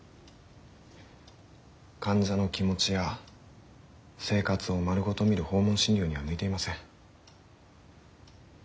患者の気持ちや生活を丸ごと診る訪問診療には向いていません。